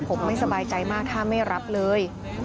ผมไม่สบายใจมากถ้าไม่รับเลย